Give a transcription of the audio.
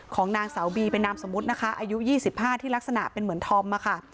ของนางสาวบีเป็นนามสมมุตินะคะอายุ๒๕ที่ลักษณะเป็นเหมือนธอมอะค่ะ